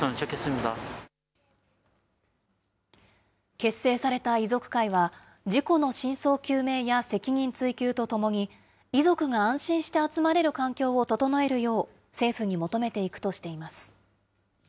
結成された遺族会は、事故の真相究明や責任追及とともに、遺族が安心して集まれる環境を整えるよう政府に求めていくとしています。